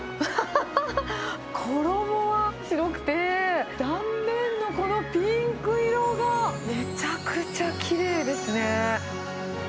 衣が白くて、断面のこのピンク色がめちゃくちゃきれいですね。